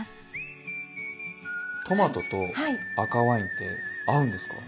トマトと赤ワインって合うんですか？